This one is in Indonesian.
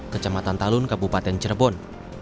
kecamatan talun kabupaten cirebon